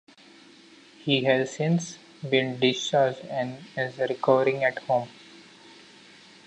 He has since been discharged and is recovering at home.